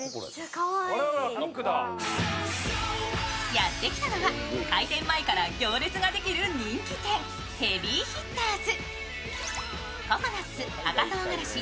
やってきたのは開店前から行列ができる人気店、ヘビーヒッターズ。